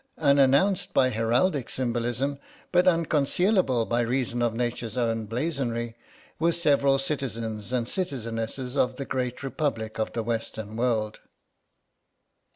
Unannounced by heraldic symbolism but unconcealable by reason of nature's own blazonry, were several citizens and citizenesses of the great republic of the Western world.